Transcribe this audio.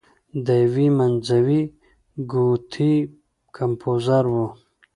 د یوې منځوۍ ګوتې کمپوزر و.